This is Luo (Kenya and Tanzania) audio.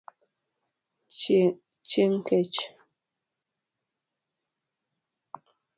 Chieng kech.